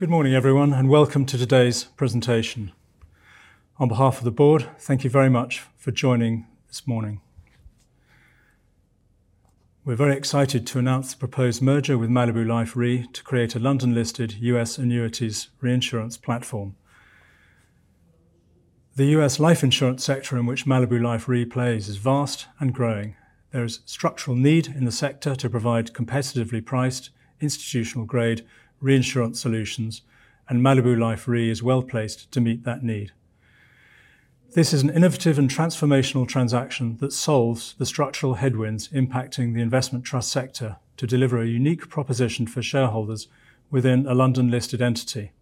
Good morning, everyone, and welcome to today's presentation. On behalf of the board, thank you very much for joining this morning. We're very excited to announce the proposed merger with Malibu Life Re to create a London-listed U.S. annuities reinsurance platform. The U.S. life insurance sector in which Malibu Life Re plays is vast and growing. There is structural need in the sector to provide competitively priced, institutional-grade reinsurance solutions, and Malibu Life Re is well placed to meet that need. This is an innovative and transformational transaction that solves the structural headwinds impacting the investment trust sector to deliver a unique proposition for shareholders within a London-listed entity.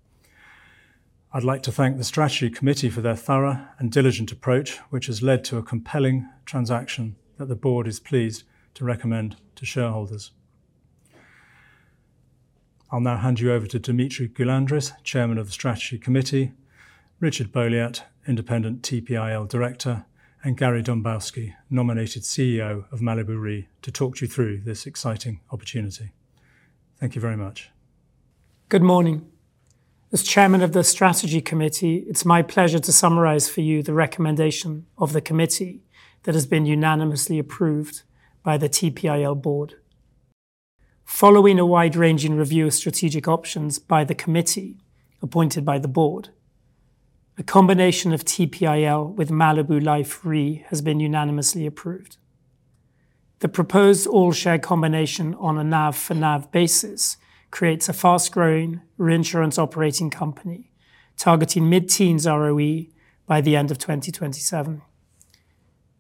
I'd like to thank the Strategy Committee for their thorough and diligent approach, which has led to a compelling transaction that the board is pleased to recommend to shareholders. I'll now hand you over to Dimitri Goulandris, Chairman of the Strategy Committee, Richard Boléat, Independent TPIL Director, and Gary Dombowskyi, Nominated CEO of Malibu Life Re, to talk you through this exciting opportunity. Thank you very much. Good morning. As Chairman of the Strategy Committee, it's my pleasure to summarize for you the recommendation of the committee that has been unanimously approved by the TPIL board. Following a wide-ranging review of strategic options by the committee appointed by the board, a combination of TPIL with Malibu Life Re has been unanimously approved. The proposed all-share combination on a NAV-for-NAV basis creates a fast-growing reinsurance operating company targeting mid-teens ROE by the end of 2027.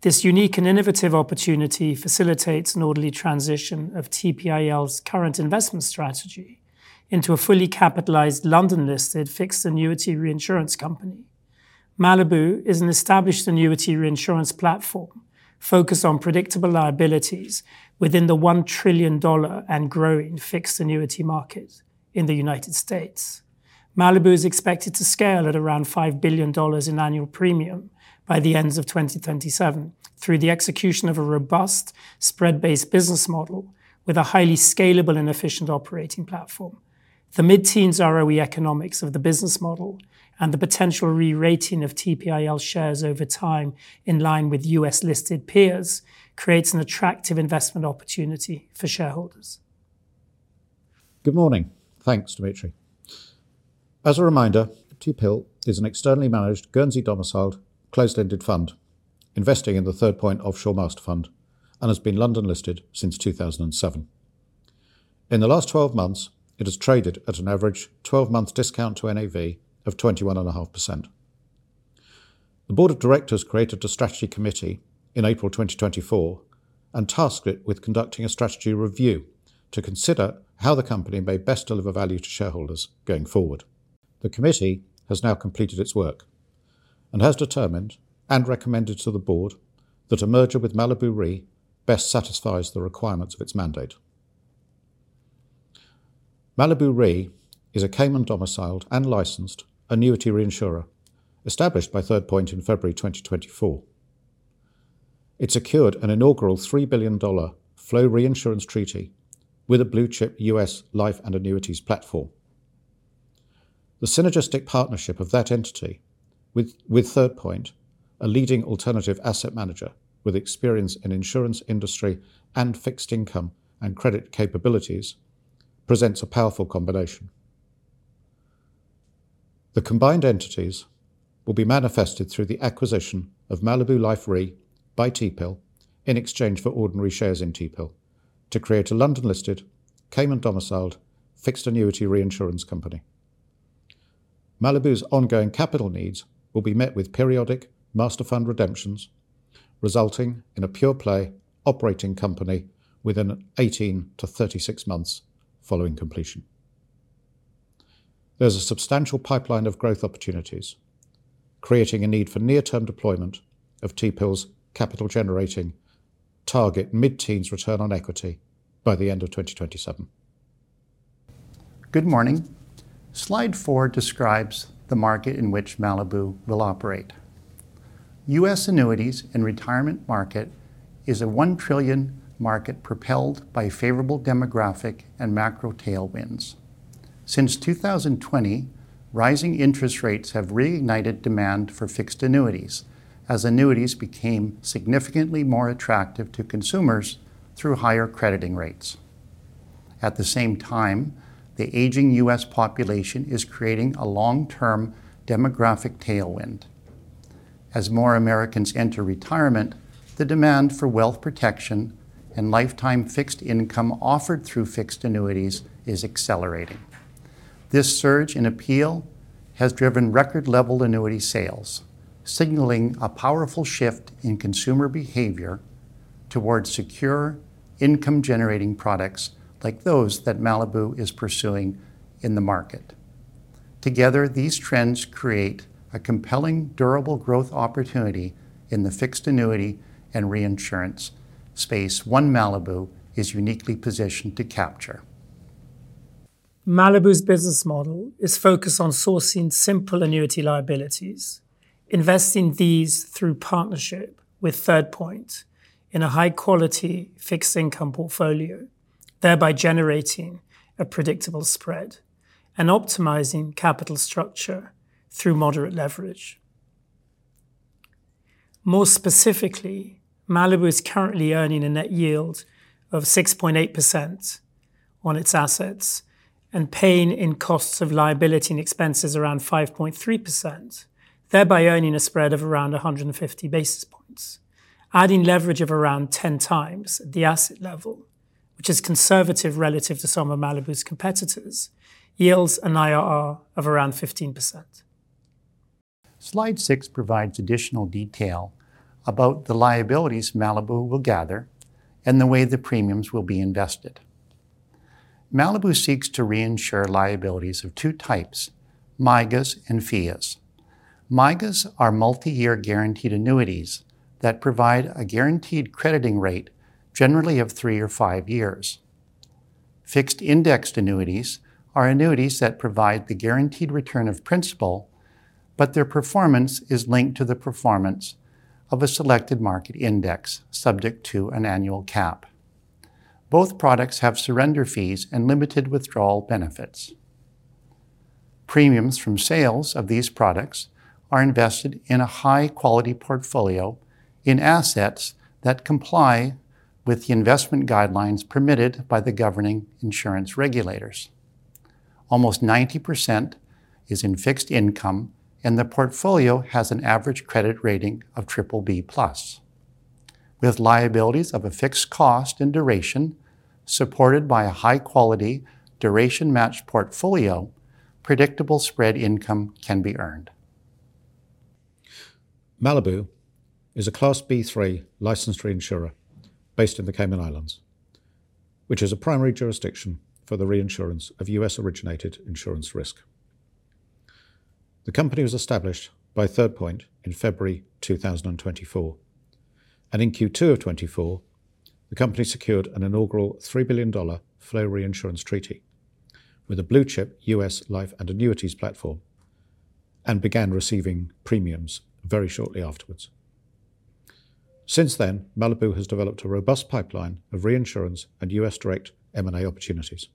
This unique and innovative opportunity facilitates an orderly transition of TPIL's current investment strategy into a fully capitalized London-listed fixed annuity reinsurance company. Malibu is an established annuity reinsurance platform focused on predictable liabilities within the $1 trillion and growing fixed annuity market in the United States. Malibu is expected to scale at around $5 billion in annual premium by the end of 2027 through the execution of a robust spread-based business model with a highly scalable and efficient operating platform. The mid-teens ROE economics of the business model and the potential re-rating of TPIL shares over time in line with U.S.-listed peers creates an attractive investment opportunity for shareholders. Good morning. Thanks, Dimitri As a reminder, TPIL is an externally managed, Guernsey-domiciled, closed-ended fund investing in the Third Point Offshore Master Fund and has been London-listed since 2007. In the last 12 months, it has traded at an average 12-month discount to NAV of 21.5%. The board of directors created the Strategy Committee in April 2024 and tasked it with conducting a strategy review to consider how the company may best deliver value to shareholders going forward. The committee has now completed its work and has determined and recommended to the board that a merger with Malibu Life Re best satisfies the requirements of its mandate. Malibu Life Re is a Cayman-domiciled and licensed annuity reinsurer established by Third Point in February 2024. It secured an inaugural $3 billion flow reinsurance treaty with a blue-chip U.S. life and annuities platform. The synergistic partnership of that entity with Third Point, a leading alternative asset manager with experience in the insurance industry and fixed income and credit capabilities, presents a powerful combination. The combined entities will be manifested through the acquisition of Malibu Life Re by TPIL in exchange for ordinary shares in TPIL to create a London-listed, Cayman-domiciled fixed annuity reinsurance company. Malibu's ongoing capital needs will be met with periodic master fund redemptions, resulting in a pure-play operating company within 18-36 months following completion. There's a substantial pipeline of growth opportunities, creating a need for near-term deployment of TPIL's capital-generating target mid-teens return on equity by the end of 2027. Good morning. Slide four describes the market in which Malibu will operate. U.S. annuities and retirement market is a $1 trillion market propelled by favorable demographic and macro tailwinds. Since 2020, rising interest rates have reignited demand for fixed annuities as annuities became significantly more attractive to consumers through higher crediting rates. At the same time, the aging U.S. population is creating a long-term demographic tailwind. As more Americans enter retirement, the demand for wealth protection and lifetime fixed income offered through fixed annuities is accelerating. This surge in appeal has driven record-level annuity sales, signaling a powerful shift in consumer behavior towards secure, income-generating products like those that Malibu is pursuing in the market. Together, these trends create a compelling, durable growth opportunity in the fixed annuity and reinsurance space one Malibu is uniquely positioned to capture. Malibu's business model is focused on sourcing simple annuity liabilities, investing these through partnership with Third Point in a high-quality fixed income portfolio, thereby generating a predictable spread and optimizing capital structure through moderate leverage. More specifically, Malibu is currently earning a net yield of 6.8% on its assets and paying in costs of liability and expenses around 5.3%, thereby earning a spread of around 150 basis points. Adding leverage of around 10 times at the asset level, which is conservative relative to some of Malibu's competitors, yields an IRR of around 15%. Slide six provides additional detail about the liabilities Malibu will gather and the way the premiums will be invested. Malibu seeks to reinsure liabilities of two types: MIGAs and FIAs. MIGAs are multi-year guaranteed annuities that provide a guaranteed crediting rate, generally of three or five years. Fixed indexed annuities are annuities that provide the guaranteed return of principal, but their performance is linked to the performance of a selected market index subject to an annual cap. Both products have surrender fees and limited withdrawal benefits. Premiums from sales of these products are invested in a high-quality portfolio in assets that comply with the investment guidelines permitted by the governing insurance regulators. Almost 90% is in fixed income, and the portfolio has an average credit rating of BBB plus. With liabilities of a fixed cost and duration supported by a high-quality duration-matched portfolio, predictable spread income can be earned. Malibu is a Class B3 licensed reinsurer based in the Cayman Islands, which is a primary jurisdiction for the reinsurance of U.S. originated insurance risk. The company was established by Third Point in February 2024, and in Q2 of 2024, the company secured an inaugural $3 billion flow reinsurance treaty with a blue-chip U.S. life and annuities platform and began receiving premiums very shortly afterwards. Since then, Malibu has developed a robust pipeline of reinsurance and U.S. direct M&A opportunities.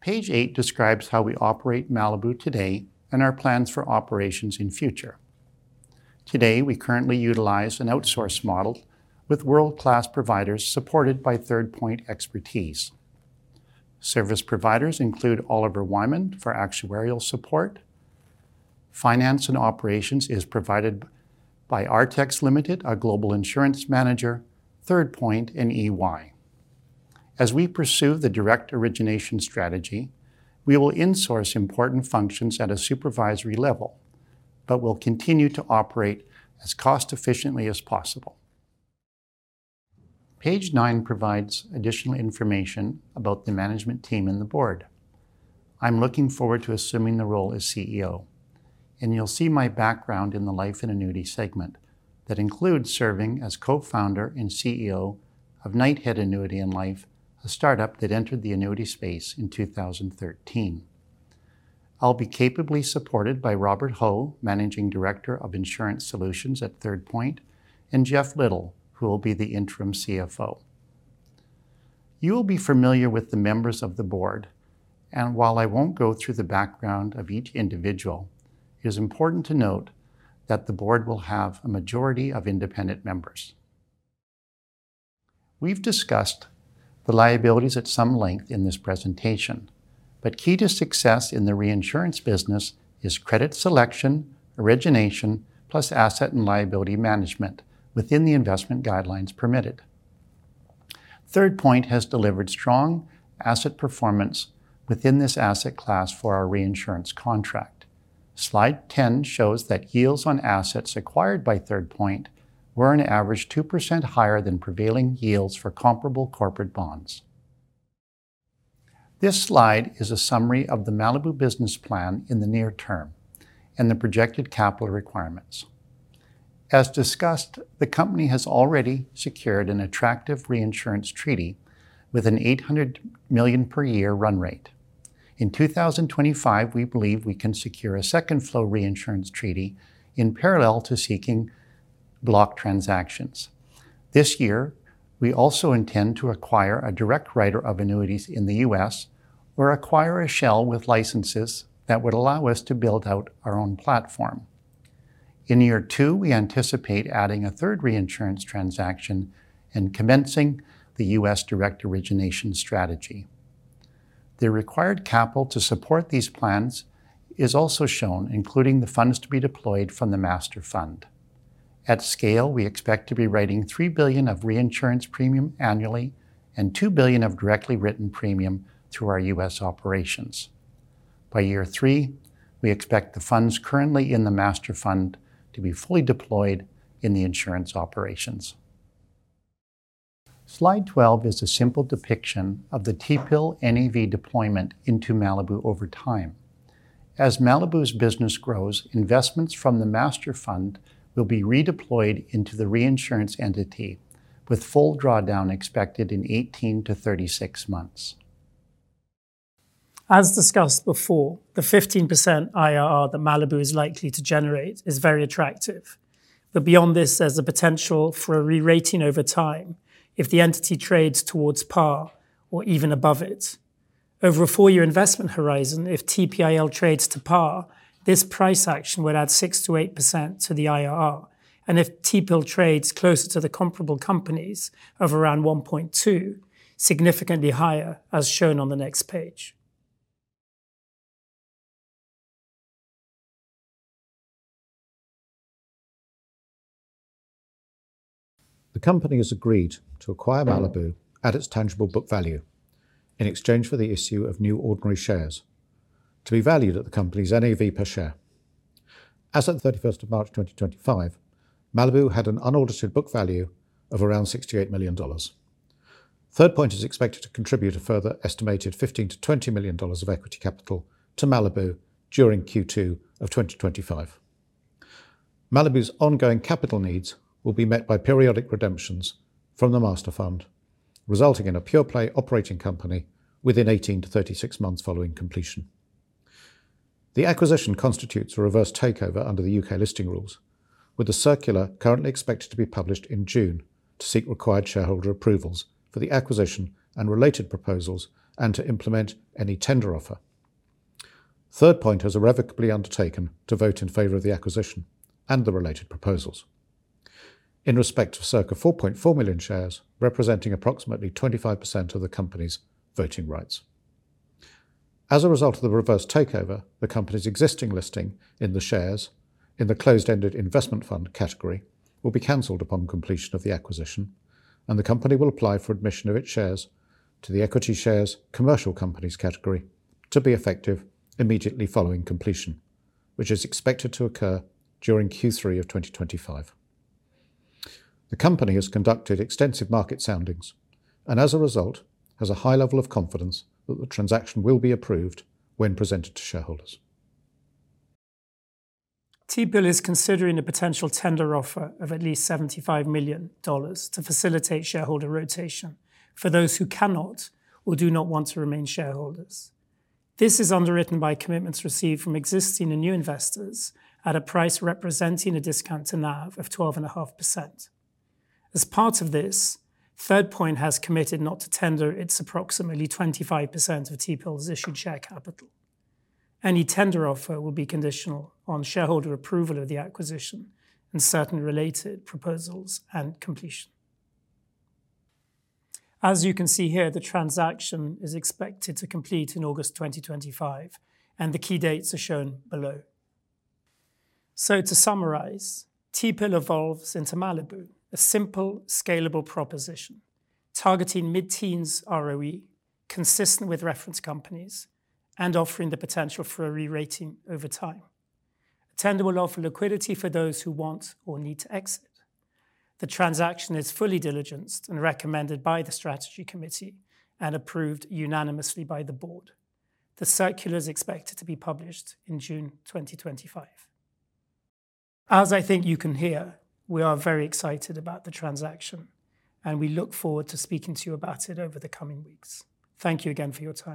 Page eight describes how we operate Malibu today and our plans for operations in future. Today, we currently utilize an outsourced model with world-class providers supported by Third Point expertise. Service providers include Oliver Wyman for actuarial support. Finance and operations is provided by Artex Limited, a global insurance manager, Third Point, and EY. As we pursue the direct origination strategy, we will insource important functions at a supervisory level, but we'll continue to operate as cost-efficiently as possible. Page nine provides additional information about the management team and the board. I'm looking forward to assuming the role as CEO, and you'll see my background in the life and annuity segment that includes serving as co-founder and CEO of Knighthead Annuity and Life, a startup that entered the annuity space in 2013. I'll be capably supported by Robert Ho, Managing Director of Insurance Solutions at Third Point, and Jeff Liddell, who will be the interim CFO. You will be familiar with the members of the board, and while I won't go through the background of each individual, it is important to note that the board will have a majority of independent members. We've discussed the liabilities at some length in this presentation, but key to success in the reinsurance business is credit selection, origination, plus asset and liability management within the investment guidelines permitted. Third Point has delivered strong asset performance within this asset class for our reinsurance contract. Slide 10 shows that yields on assets acquired by Third Point were on average 2% higher than prevailing yields for comparable corporate bonds. This slide is a summary of the Malibu business plan in the near term and the projected capital requirements. As discussed, the company has already secured an attractive reinsurance treaty with an $800 million per year run rate. In 2025, we believe we can secure a second flow reinsurance treaty in parallel to seeking block transactions. This year, we also intend to acquire a direct writer of annuities in the U.S. or acquire a shell with licenses that would allow us to build out our own platform. In year two, we anticipate adding a third reinsurance transaction and commencing the U.S. direct origination strategy. The required capital to support these plans is also shown, including the funds to be deployed from the master fund. At scale, we expect to be writing $3 billion of reinsurance premium annually and $2 billion of directly written premium through our U.S. operations. By year three, we expect the funds currently in the master fund to be fully deployed in the insurance operations. Slide 12 is a simple depiction of the TPIL NAV deployment into Malibu over time. As Malibu's business grows, investments from the master fund will be redeployed into the reinsurance entity with full drawdown expected in 18-36 months. As discussed before, the 15% IRR that Malibu is likely to generate is very attractive, but beyond this, there's a potential for a re-rating over time if the entity trades towards par or even above it. Over a four-year investment horizon, if TPIL trades to par, this price action would add 6%-8% to the IRR, and if TPIL trades closer to the comparable companies, of around 1.2%, significantly higher, as shown on the next page. The company has agreed to acquire Malibu at its tangible book value in exchange for the issue of new ordinary shares to be valued at the company's NAV per share. As of the 31st of March 2025, Malibu had an unaltered book value of around $68 million. Third Point is expected to contribute a further estimated $15 million-$20 million of equity capital to Malibu during Q2 of 2025. Malibu's ongoing capital needs will be met by periodic redemptions from the master fund, resulting in a pure-play operating company within 18-36 months following completion. The acquisition constitutes a reverse takeover under the U.K. listing rules, with the circular currently expected to be published in June to seek required shareholder approvals for the acquisition and related proposals and to implement any tender offer. Third Point has irrevocably undertaken to vote in favor of the acquisition and the related proposals in respect of circa 4.4 million shares, representing approximately 25% of the company's voting rights. As a result of the reverse takeover, the company's existing listing in the shares in the closed-ended investment fund category will be canceled upon completion of the acquisition, and the company will apply for admission of its shares to the equity shares commercial companies category to be effective immediately following completion, which is expected to occur during Q3 of 2025. The company has conducted extensive market soundings and, as a result, has a high level of confidence that the transaction will be approved when presented to shareholders. TPIL is considering a potential tender offer of at least $75 million to facilitate shareholder rotation for those who cannot or do not want to remain shareholders. This is underwritten by commitments received from existing and new investors at a price representing a discount to NAV of 12.5%. As part of this, Third Point has committed not to tender its approximately 25% of TPIL's issued share capital. Any tender offer will be conditional on shareholder approval of the acquisition and certain related proposals and completion. As you can see here, the transaction is expected to complete in August 2025, and the key dates are shown below. To summarize, TPIL evolves into Malibu, a simple, scalable proposition targeting mid-teens ROE consistent with reference companies and offering the potential for a re-rating over time. A tender will offer liquidity for those who want or need to exit. The transaction is fully diligenced and recommended by the Strategy Committee and approved unanimously by the board. The circular is expected to be published in June 2025. As I think you can hear, we are very excited about the transaction, and we look forward to speaking to you about it over the coming weeks. Thank you again for your time.